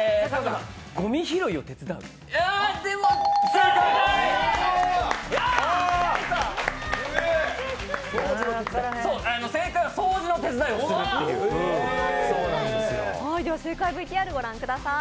正解ＶＴＲ、御覧ください。